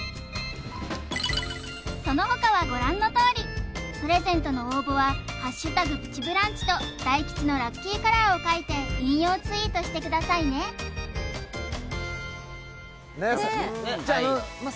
そのほかはご覧のとおりプレゼントの応募は「＃プチブランチ」と大吉のラッキーカラーを書いて引用ツイートしてくださいねじゃあまあ